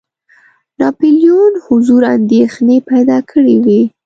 ناپولیون حضور اندېښنې پیدا کړي وې.